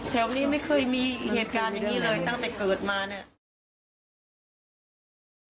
แถวนี้ไม่เคยมีเหตุการณ์อย่างนี้เลยตั้งแต่เกิดมาเนี่ย